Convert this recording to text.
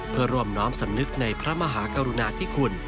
เพื่อร่วมน้อมสำนึกในพระมหากรุณาธิคุณ